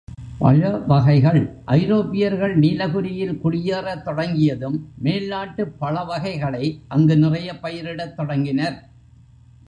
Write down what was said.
பழவகைகள் ஐரோப்பியர்கள் நீலகிரியில் குடியேறத் தொடங்கியதும், மேல் நாட்டுப் பழவகைகளை அங்கு நிறையப் பயிரிடத் தொடங்கினர்.